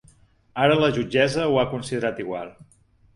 Ara la jutgessa ho ha considerat igual.